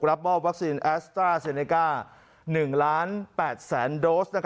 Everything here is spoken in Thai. รับมอบวัคซีนแอสตราเซเนก้า๑ล้าน๘แสนโดส